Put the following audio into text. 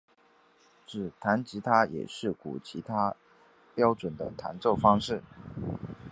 指弹吉他也是古典吉他标准的弹奏方式。